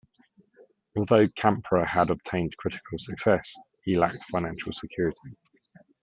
Although Campra had obtained critical success he lacked financial security.